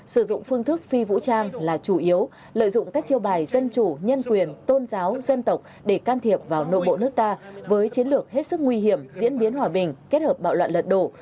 sử dụng phương thức phi vũ trang là chủ yếu lợi dụng các chiêu bài dân chủ nhân quyền tôn giáo dân tộc để can thiệp vào nội bộ nước ta với chiến lược hết sức nguy hiểm diễn biến hòa bình kết hợp bạo loạn lật đổ